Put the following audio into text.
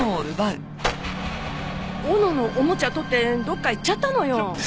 斧のおもちゃ取ってどっか行っちゃったのよ。